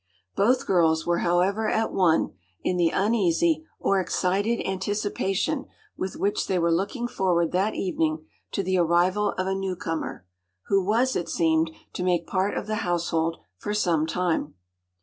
Both girls were however at one in the uneasy or excited anticipation with which they were looking forward that evening to the arrival of a newcomer, who was, it seemed, to make part of the household for some time.